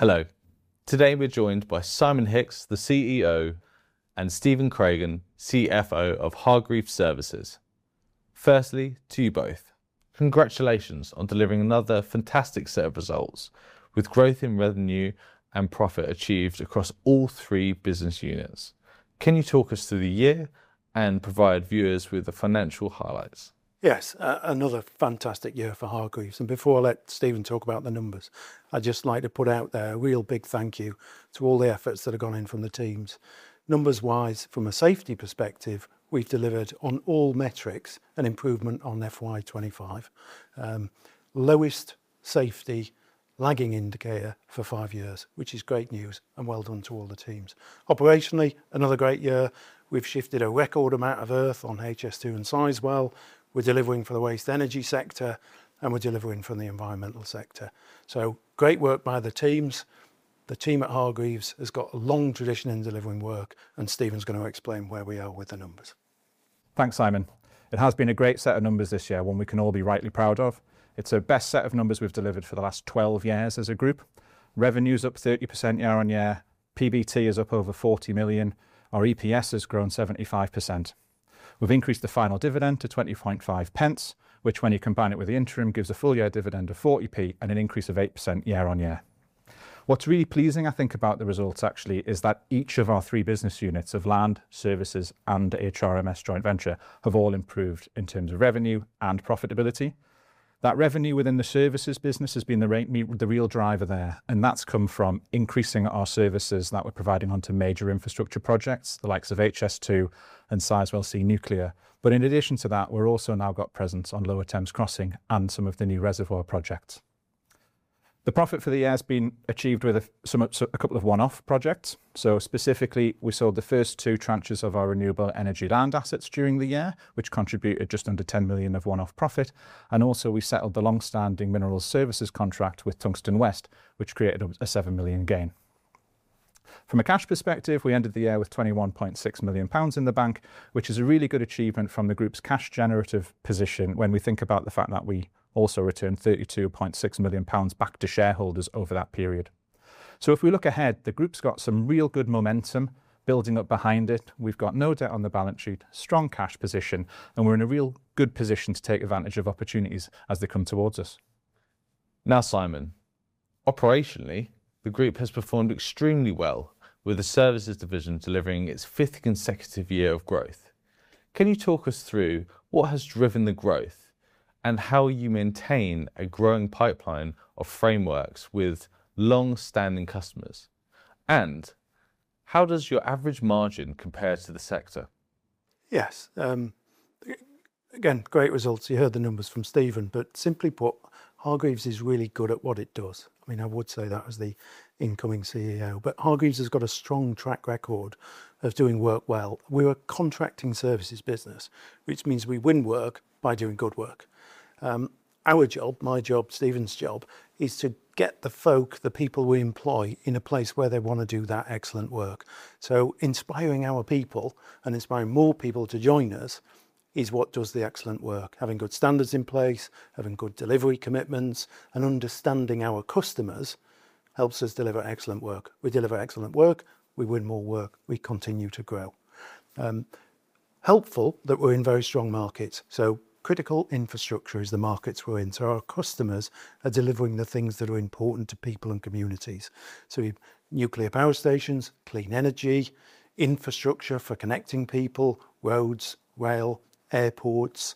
Hello. Today we're joined by Simon Hicks, the CEO, and Stephen Craigen, CFO of Hargreaves Services. Firstly, to you both, congratulations on delivering another fantastic set of results with growth in revenue and profit achieved across all three business units. Can you talk us through the year and provide viewers with the financial highlights? Yes. Another fantastic year for Hargreaves, before I let Stephen talk about the numbers, I'd just like to put out there a real big thank you to all the efforts that have gone in from the teams. Numbers wise, from a safety perspective, we've delivered on all metrics an improvement on FY 2025. Lowest safety lagging indicator for five years, which is great news, well done to all the teams. Operationally, another great year. We've shifted a record amount of earth on HS2 and Sizewell. We're delivering for the waste energy sector, and we're delivering for the environmental sector. Great work by the teams. The team at Hargreaves has got a long tradition in delivering work, Stephen's going to explain where we are with the numbers. Thanks, Simon. It has been a great set of numbers this year, one we can all be rightly proud of. It's the best set of numbers we've delivered for the last 12 years as a group. Revenue's up 30% year-over-year. PBT is up over 40 million. Our EPS has grown 75%. We've increased the final dividend to 0.205, which, when you combine it with the interim, gives a full year dividend of 0.40 and an increase of 8% year-over-year. What's really pleasing, I think, about the results actually, is that each of our three business units of land, services, and HRMS joint venture have all improved in terms of revenue and profitability. That revenue within the services business has been the real driver there, that's come from increasing our services that we're providing onto major infrastructure projects, the likes of HS2 and Sizewell C Nuclear. In addition to that, we've also now got presence on Lower Thames Crossing and some of the new reservoir projects. The profit for the year has been achieved with a couple of one-off projects. Specifically, we sold the first two tranches of our renewable energy land assets during the year, which contributed just under 10 million of one-off profit, also, we settled the longstanding mineral services contract with Tungsten West, which created a 7 million gain. From a cash perspective, we ended the year with 21.6 million pounds in the bank, which is a really good achievement from the group's cash generative position when we think about the fact that we also returned 32.6 million pounds back to shareholders over that period. If we look ahead, the group's got some real good momentum building up behind it. We've got no debt on the balance sheet, strong cash position, and we're in a real good position to take advantage of opportunities as they come towards us. Simon, operationally, the group has performed extremely well with the services division delivering its fifth consecutive year of growth. Can you talk us through what has driven the growth and how you maintain a growing pipeline of frameworks with long-standing customers? And how does your average margin compare to the sector? Again, great results. You heard the numbers from Stephen, but simply put, Hargreaves is really good at what it does. I would say that as the incoming CEO, but Hargreaves has got a strong track record of doing work well. We're a contracting services business, which means we win work by doing good work. Our job, my job, Stephen's job, is to get the folk, the people we employ, in a place where they want to do that excellent work. So inspiring our people and inspiring more people to join us is what does the excellent work. Having good standards in place, having good delivery commitments, and understanding our customers helps us deliver excellent work. We deliver excellent work, we win more work, we continue to grow. Helpful that we're in very strong markets, so critical infrastructure is the markets we're in. Our customers are delivering the things that are important to people and communities. Nuclear power stations, clean energy, infrastructure for connecting people, roads, rail, airports.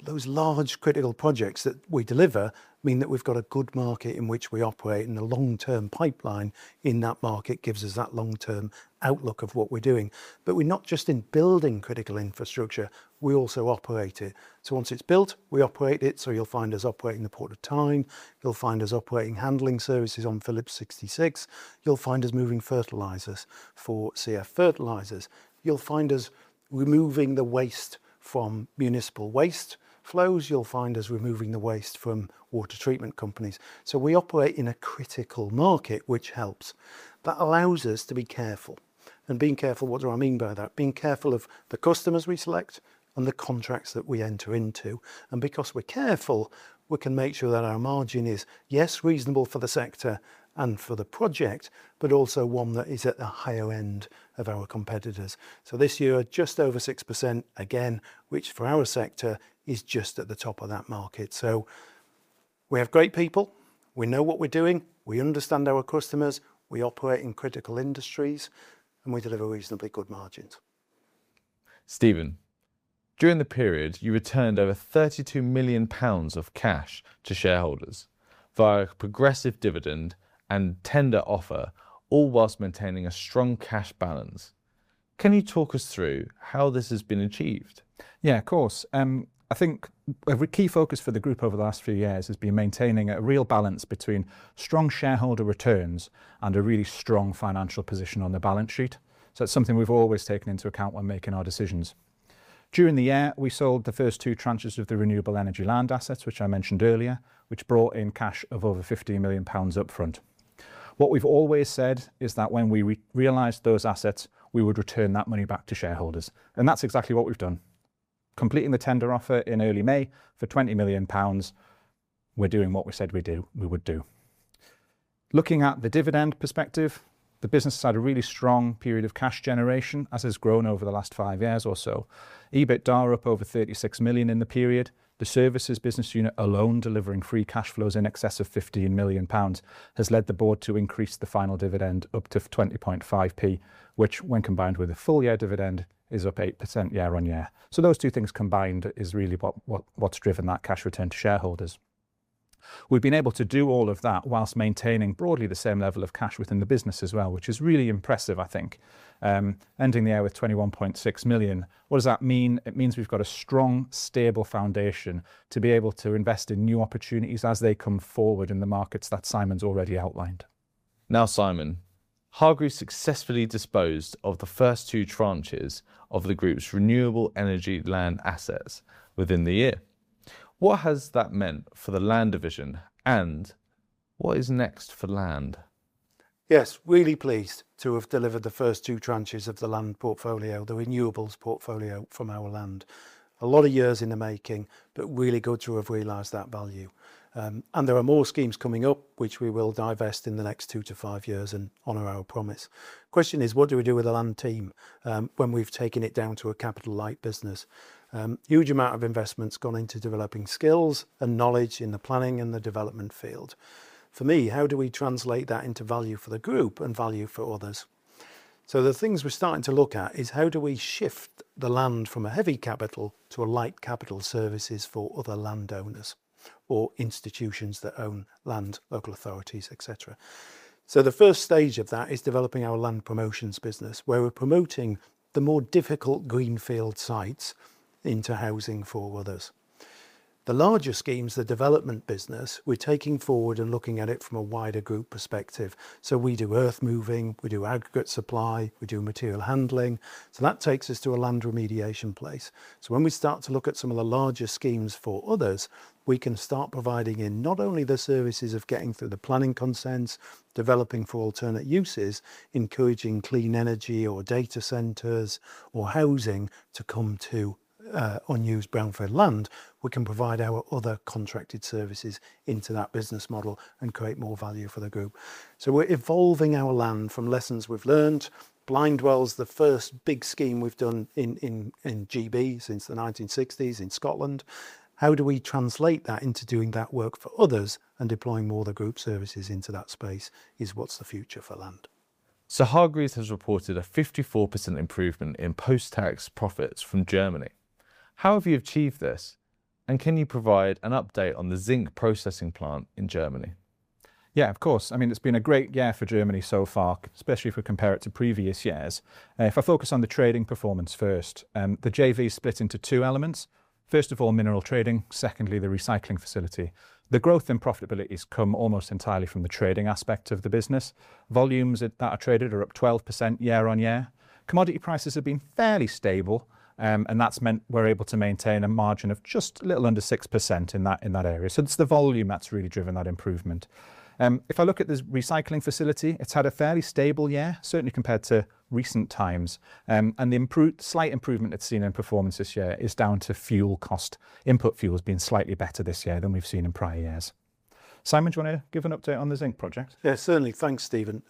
Those large critical projects that we deliver mean that we've got a good market in which we operate and the long-term pipeline in that market gives us that long-term outlook of what we're doing. But we're not just in building critical infrastructure, we also operate it. Once it's built, we operate it. So you'll find us operating the Port of Tyne, you'll find us operating handling services on Phillips 66. You'll find us moving fertilizers for CF Fertilisers. You'll find us removing the waste from municipal waste flows. You'll find us removing the waste from water treatment companies. We operate in a critical market, which helps. That allows us to be careful, and being careful, what do I mean by that? Being careful of the customers we select and the contracts that we enter into. Because we're careful, we can make sure that our margin is, yes, reasonable for the sector and for the project, but also one that is at the higher end of our competitors. This year, just over 6%, again, which for our sector is just at the top of that market. We have great people, we know what we're doing, we understand our customers, we operate in critical industries, and we deliver reasonably good margins. Stephen, during the period, you returned over 32 million pounds of cash to shareholders via progressive dividend and tender offer, all whilst maintaining a strong cash balance. Can you talk us through how this has been achieved? Yeah, of course. I think a key focus for the group over the last few years has been maintaining a real balance between strong shareholder returns and a really strong financial position on the balance sheet. It's something we've always taken into account when making our decisions. During the year, we sold the first two tranches of the renewable energy land assets, which I mentioned earlier, which brought in cash of over 15 million pounds upfront. What we've always said is that when we realized those assets, we would return that money back to shareholders. That's exactly what we've done. Completing the tender offer in early May for 20 million pounds. We're doing what we said we would do. Looking at the dividend perspective, the business has had a really strong period of cash generation, as it's grown over the last five years or so. EBITDA up over 36 million in the period. The services business unit alone delivering free cash flows in excess of 15 million pounds, has led the board to increase the final dividend up to 0.205, which when combined with the full-year dividend, is up 8% year-on-year. Those two things combined is really what's driven that cash return to shareholders. We've been able to do all of that whilst maintaining broadly the same level of cash within the business as well, which is really impressive, I think. Ending the year with 21.6 million. What does that mean? It means we've got a strong, stable foundation to be able to invest in new opportunities as they come forward in the markets that Simon's already outlined. Simon, Hargreaves successfully disposed of the first two tranches of the group's renewable energy land assets within the year. What has that meant for the land division, and what is next for land? Yes, really pleased to have delivered the first two tranches of the land portfolio, the renewables portfolio from our land. A lot of years in the making, but really good to have realized that value. There are more schemes coming up, which we will divest in the next two-five years and honor our promise. Question is, what do we do with the land team when we've taken it down to a capital-light business? Huge amount of investment's gone into developing skills and knowledge in the planning and the development field. For me, how do we translate that into value for the group and value for others? The things we're starting to look at is how do we shift the land from a heavy capital to a light capital services for other landowners or institutions that own land, local authorities, et cetera. The first stage of that is developing our land promotions business, where we're promoting the more difficult greenfield sites into housing for others. The larger schemes, the development business, we're taking forward and looking at it from a wider group perspective. We do earth moving, we do aggregate supply, we do material handling. That takes us to a land remediation place. When we start to look at some of the larger schemes for others, we can start providing in not only the services of getting through the planning consents, developing for alternate uses, encouraging clean energy or data centers or housing to come to unused brownfield land, we can provide our other contracted services into that business model and create more value for the group. We're evolving our land from lessons we've learned. Blindwells the first big scheme we've done in G.B. since the 1960s, in Scotland. How do we translate that into doing that work for others and deploying more of the group services into that space, is what's the future for land. Hargreaves has reported a 54% improvement in post-tax profits from Germany. How have you achieved this, and can you provide an update on the zinc processing plant in Germany? Yeah, of course. It's been a great year for Germany so far, especially if we compare it to previous years. If I focus on the trading performance first, the JV is split into two elements. First of all, mineral trading, secondly, the recycling facility. The growth in profitability has come almost entirely from the trading aspect of the business. Volumes that are traded are up 12% year-on-year. Commodity prices have been fairly stable, and that's meant we're able to maintain a margin of just a little under 6% in that area. It's the volume that's really driven that improvement. If I look at the recycling facility, it's had a fairly stable year, certainly compared to recent times. The slight improvement it's seen in performance this year is down to fuel cost. Input fuel has been slightly better this year than we've seen in prior years. Simon, do you want to give an update on the zinc project? Yeah, certainly. Thanks, Stephen.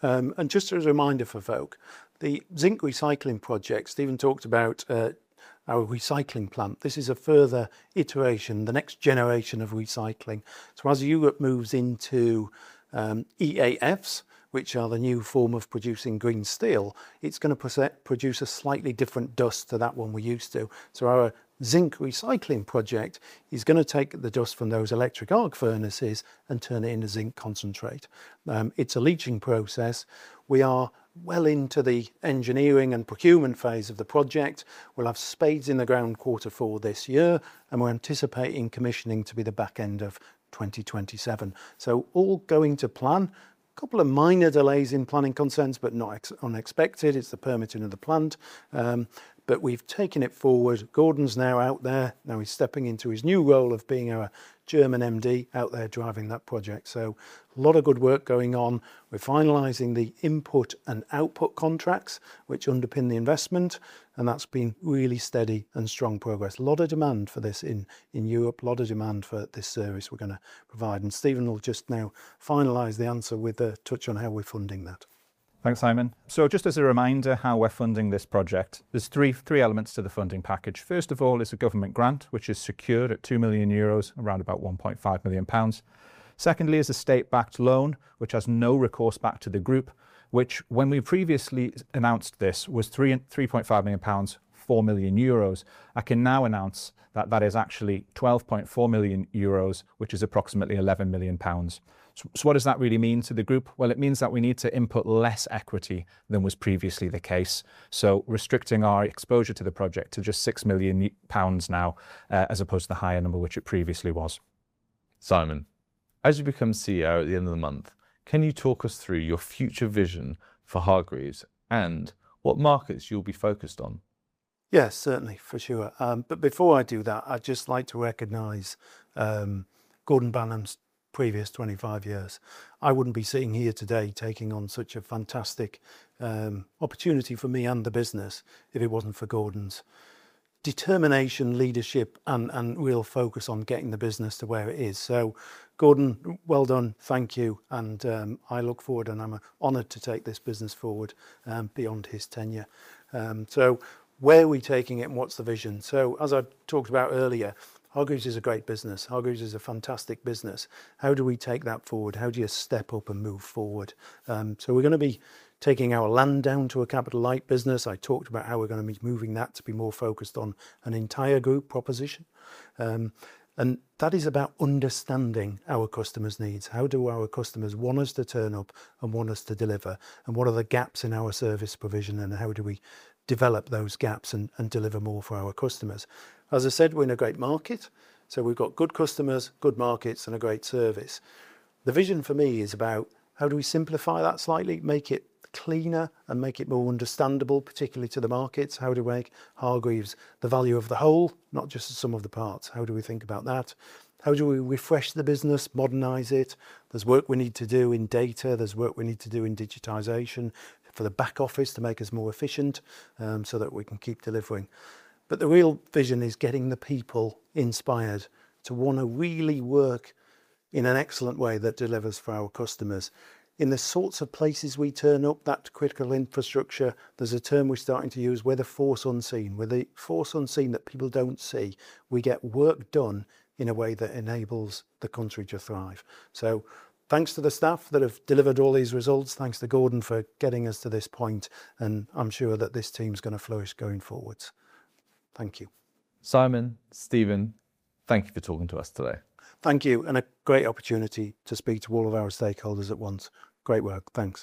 Just as a reminder for folk, the zinc recycling project, Stephen talked about our recycling plant. This is a further iteration, the next generation of recycling. As Europe moves into EAFs, which are the new form of producing green steel, it's going to produce a slightly different dust to that one we're used to. Our zinc recycling project is going to take the dust from those electric arc furnaces and turn it into zinc concentrate. It's a leaching process. We are well into the engineering and procurement phase of the project. We'll have spades in the ground quarter four this year, and we're anticipating commissioning to be the back end of 2027. All going to plan. Couple of minor delays in planning consents, but not unexpected. It's the permitting of the plant. We've taken it forward. Gordon's now out there. He's stepping into his new role of being our German MD out there driving that project. A lot of good work going on. We're finalizing the input and output contracts which underpin the investment, that's been really steady and strong progress. A lot of demand for this in Europe, a lot of demand for this service we're going to provide, Stephen will just now finalize the answer with a touch on how we're funding that. Thanks, Simon. Just as a reminder how we're funding this project, there's three elements to the funding package. First of all, it's a government grant, which is secured at 2 million euros, around about 1.5 million pounds. Secondly, is a state-backed loan, which has no recourse back to the group, which when we previously announced this, was 3 million pounds, 3.5 million pounds, 4 million euros. I can now announce that that is actually 12.4 million euros, which is approximately 11 million pounds. What does that really mean to the group? Well, it means that we need to input less equity than was previously the case, so restricting our exposure to the project to just 6 million pounds now, as opposed to the higher number which it previously was. Simon, as you become CEO at the end of the month, can you talk us through your future vision for Hargreaves and what markets you'll be focused on? Yes, certainly, for sure. Before I do that, I'd just like to recognize Gordon Banham's previous 25 years. I wouldn't be sitting here today taking on such a fantastic opportunity for me and the business if it wasn't for Gordon's determination, leadership, and real focus on getting the business to where it is. Gordon, well done. Thank you. I look forward and I'm honored to take this business forward beyond his tenure. Where are we taking it and what's the vision? As I talked about earlier, Hargreaves is a great business. Hargreaves is a fantastic business. How do we take that forward? How do you step up and move forward? We're going to be taking our land down to a capital light business. I talked about how we're going to be moving that to be more focused on an entire group proposition. That is about understanding our customers' needs. How do our customers want us to turn up and want us to deliver? What are the gaps in our service provision, and how do we develop those gaps and deliver more for our customers? As I said, we're in a great market. We've got good customers, good markets, and a great service. The vision for me is about how do we simplify that slightly, make it cleaner, and make it more understandable, particularly to the markets? How do we make Hargreaves the value of the whole, not just the sum of the parts? How do we think about that? How do we refresh the business, modernize it? There's work we need to do in data. There's work we need to do in digitization for the back office to make us more efficient so that we can keep delivering. The real vision is getting the people inspired to want to really work in an excellent way that delivers for our customers. In the sorts of places we turn up that critical infrastructure, there's a term we're starting to use. We're the force unseen. We're the force unseen that people don't see. We get work done in a way that enables the country to thrive. Thanks to the staff that have delivered all these results. Thanks to Gordon for getting us to this point, and I'm sure that this team's going to flourish going forward. Thank you. Simon, Stephen, thank you for talking to us today. Thank you. A great opportunity to speak to all of our stakeholders at once. Great work. Thanks.